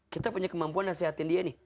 kita punya kemampuan nasihatin dia nih